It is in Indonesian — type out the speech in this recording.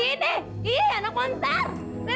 sini ih anak monster